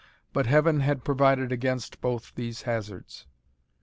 But Heaven had provided against both these hazards.